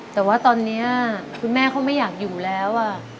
แต่ว่าตอนนี้คุณแม่เขาไม่อยากอยู่แล้ว